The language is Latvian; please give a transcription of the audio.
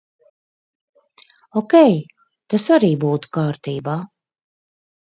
Okei, tas arī būtu kārtībā.